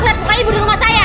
lihat muka ibu di rumah saya